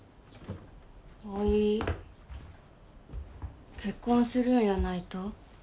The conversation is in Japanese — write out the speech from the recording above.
おい結婚するんやないと？